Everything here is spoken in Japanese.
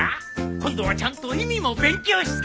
今度はちゃんと意味も勉強して。